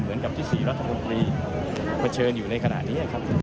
เหมือนกับที่๔๖ปีเผชิญอยู่ในขณะนี้